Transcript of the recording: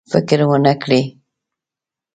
فکر ونه کړي.